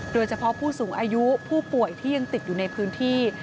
โดยเฉพาะผู้สูงอายุผู้ป่วยที่ยังติดอยู่ในพื้นที่